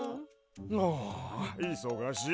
ああいそがしい。